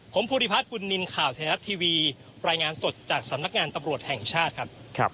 ผมภูริพัฒน์บุญนินทร์ข่าวไทยรัฐทีวีรายงานสดจากสำนักงานตำรวจแห่งชาติครับ